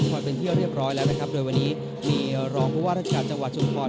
ก็ได้เดินทางมาจากสระเจ้าลิฟต์๖ตัวจังหวัดชุมพร